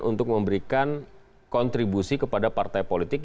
untuk memberikan kontribusi kepada partai politik